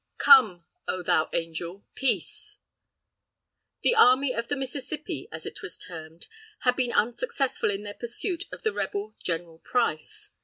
Come, oh, thou angel, PEACE! The "Army of the Mississippi," as it was termed, had been unsuccessful in their pursuit of the rebel General Price.